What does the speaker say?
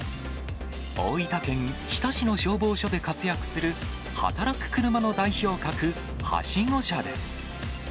大分県日田市の消防署で活躍する働く車の代表格、はしご車です。